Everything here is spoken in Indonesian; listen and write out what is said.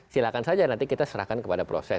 silahkan saja nanti kita serahkan kepada proses